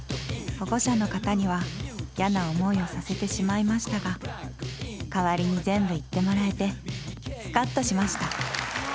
［保護者の方には嫌な思いをさせてしまいましたが代わりに全部言ってもらえてスカッとしました］